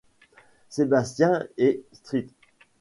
Sébastien et St.